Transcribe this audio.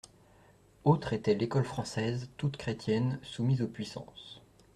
Autre était l'école française, toute chrétienne, soumise aux puissances.